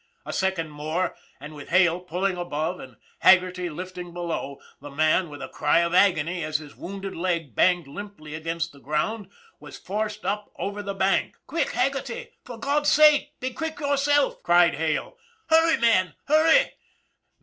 A second more, and, with Hale pulling above and Haggerty lifting below, the man, with a cry of agony as his wounded leg banged limply against the ground, was forced up over the bank. " Quick, Haggerty ! For God's sake, be quick yourself," cried Hale. "Hurry, man, hurry!"